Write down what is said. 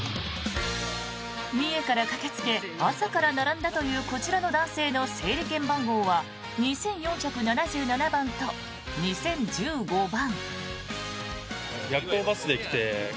三重から駆けつけ朝から並んだというこちらの男性の整理券番号は２４７７番と２０１５番。